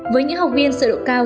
với những học viên sợ độ cao